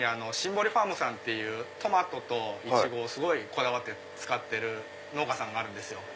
ぼりファームさんっていうトマトとイチゴをこだわって作ってる農家さんがあるんですよ。